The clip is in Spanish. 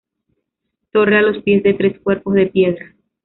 Torre, a los pies, de tres cuerpos, de piedra.